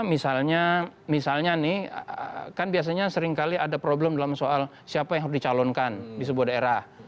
misalnya misalnya nih kan biasanya seringkali ada problem dalam soal siapa yang harus dicalonkan di sebuah daerah